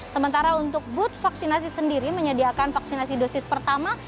sementara untuk booth vaksinasi sendiri menyediakan vaksinasi dosis pertama